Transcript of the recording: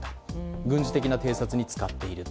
軍事的な偵察に使っていると。